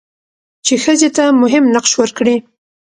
چې ښځې ته مهم نقش ورکړي؛